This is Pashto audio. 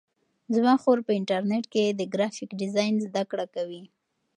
زما خور په انټرنیټ کې د گرافیک ډیزاین زده کړه کوي.